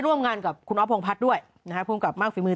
ร่วมงานกับคุณออพโพงภัทด้วยนะฮะภูมิกรับมากฝีมือ